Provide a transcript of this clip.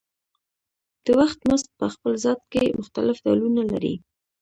د وخت مزد په خپل ذات کې مختلف ډولونه لري